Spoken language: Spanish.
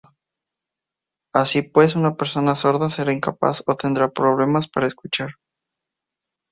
Así pues, una persona sorda será incapaz o tendrá problemas para escuchar.